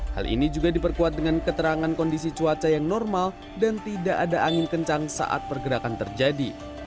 hal ini juga diperkuat dengan keterangan kondisi cuaca yang normal dan tidak ada angin kencang saat pergerakan terjadi